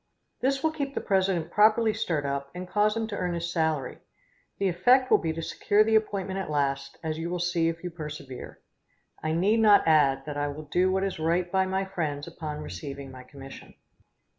This will keep the president properly stirred up, and cause him to earn his salary. The effect will be to secure the appointment at last, as you will see if you persevere. I need not add that I will do what is right by my friends upon receiving my commission.